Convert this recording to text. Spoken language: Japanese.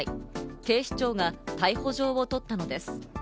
警視庁が逮捕状を取ったのです。